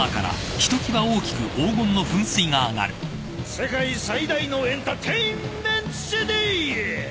世界最大のエンターテインメンツシティ！